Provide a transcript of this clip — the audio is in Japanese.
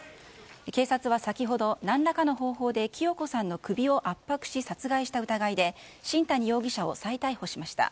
警察は先ほど何らかの方法で清子さんの首を圧迫し殺害した疑いで新谷容疑者を再逮捕しました。